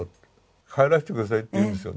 帰らせて下さいって言うんですよ。